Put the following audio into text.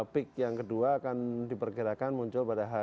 peak yang kedua akan diperkirakan muncul pada h tiga